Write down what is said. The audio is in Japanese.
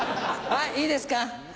はいいいですか